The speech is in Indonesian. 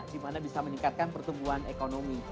dimana bisa meningkatkan pertumbuhan ekonomi